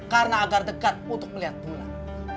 karena agar dekat untuk melihat bulan